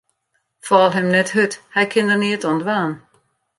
Fal him net hurd, hy kin der neat oan dwaan.